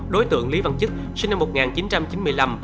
đối tượng lý văn chức sinh năm một nghìn chín trăm chín mươi năm